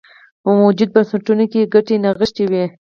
په موجوده بنسټونو کې یې ګټې نغښتې وې.